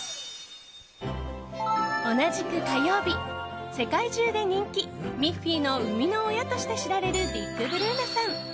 同じく火曜日、世界中で人気「ミッフィー」の生みの親として知られるディック・ブルーナさん。